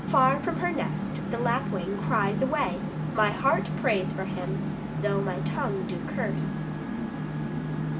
Far from her nest the lapwing cries away: My heart prays for him, though my tongue do curse.